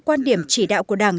quan điểm chỉ đạo của đảng